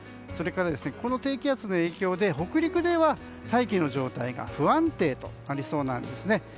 それから、この低気圧の影響で北陸では大気の状態が不安定となりそうです。